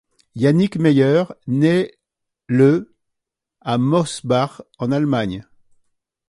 Yannick Mayer naît le à Mosbach en Allemagne.